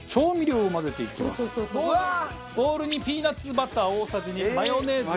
ボウルにピーナッツバター大さじ２マヨネーズ。